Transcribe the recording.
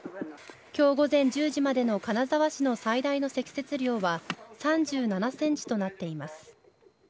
きょう午前１０時までの金沢市の最大の積雪量は、３７センチとなっています。